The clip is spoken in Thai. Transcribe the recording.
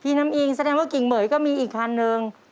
น้ำอิงแสดงว่ากิ่งเหม๋ยก็มีอีกคันนึง